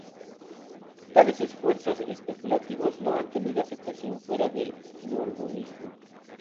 Tales esfuerzos especulativos no han tenido aceptación fuera del mormonismo.